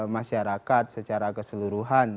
masyarakat secara keseluruhan